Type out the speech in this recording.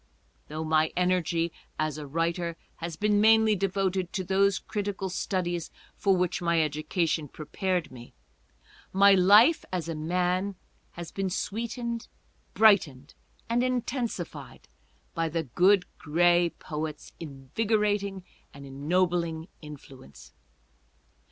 Though my energy, as a writer, has been mainly devoted to those critical studies for which my education prepared me, my life, as a man, has been sweetened, brightened and intensified by the Good Gray Poet's invigorating and ennobling influence.